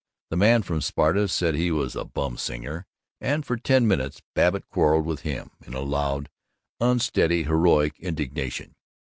The man from Sparta said he was a "bum singer," and for ten minutes Babbitt quarreled with him, in a loud, unsteady, heroic indignation.